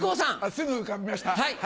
すぐ浮かびました。